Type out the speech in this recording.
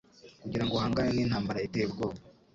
kugira ngo ahangane n'intambara iteye ubwoba